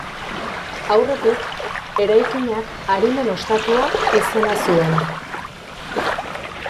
Aurretik, eraikinak Arimen Ostatua izena zuen.